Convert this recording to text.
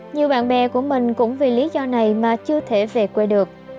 nhiều bạn bè của mình cũng vì lý do này mà chưa thể về quê được